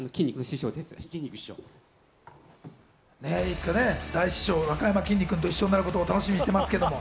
いつかね、大師匠・なかやまきんに君と一緒になることを楽しみにしていますけど。